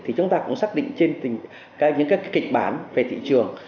thì chúng ta cũng xác định trên những các kịch bản về thị trường